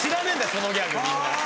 そのギャグみんな。